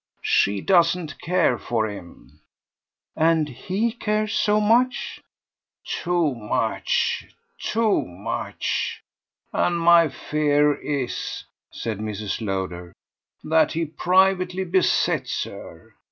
She doesn't care for him." "And HE cares so much ?" "Too much, too much. And my fear is," said Mrs. Lowder, "that he privately besets her.